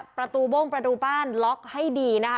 ประตูโบ้งประตูบ้านล็อกให้ดีนะคะ